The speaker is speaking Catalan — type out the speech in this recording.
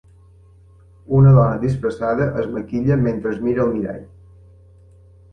Una dona disfressada es maquilla mentre es mira al mirall.